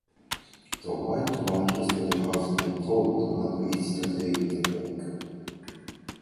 The white man history has been told and it's today in the book.